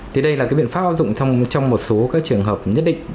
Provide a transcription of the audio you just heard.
thì đây là biện pháp áp dụng trong một số trường hợp nhất định